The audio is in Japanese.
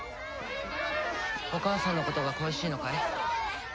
お母さんのことが恋しいのかい？